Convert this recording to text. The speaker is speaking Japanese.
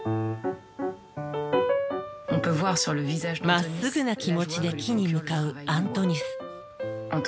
まっすぐな気持ちで木に向かうアントニス。